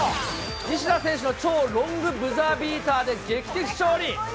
西田選手の超ロングブザービーターで劇的勝利。